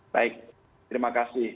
baik terima kasih